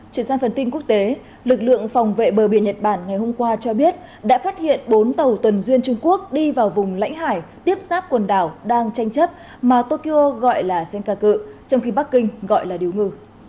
chuyển sang phần tin quốc tế lực lượng phòng vệ bờ biển nhật bản ngày hôm qua cho biết đã phát hiện bốn tàu tuần duyên trung quốc đi vào vùng lãnh hải tiếp xác quần đảo đang tranh chấp mà tokyo gọi là jenca cự trong khi bắc kinh gọi là điều ngư